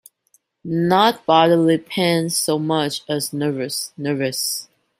Not bodily pain so much as nervous, nervous!